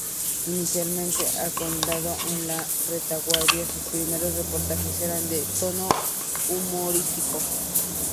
Inicialmente acantonado en la retaguardia, sus primeros reportajes eran de tono humorístico.